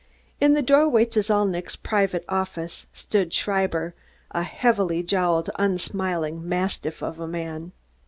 In the doorway to Zalnitch's private office stood Schreiber, a heavy jowled, unsmiling mastiff of a man.